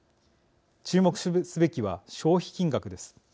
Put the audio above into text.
注目すべきは、消費金額です。